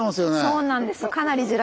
そうなんです。